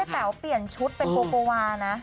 แต๋วเปลี่ยนชุดเป็นโกโกวานะ